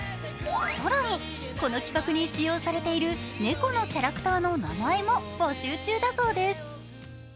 更に、この企画に使用されている猫のキャラクターの名前も募集中だそうです。